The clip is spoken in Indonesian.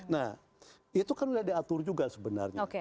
nah itu kan sudah diatur juga sebenarnya